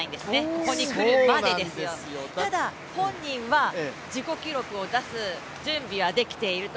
ここに来るまでですよ、ただ本人は自己記録を出す準備はできていると。